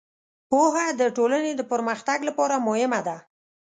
پوهه د ټولنې د پرمختګ لپاره مهمه ده.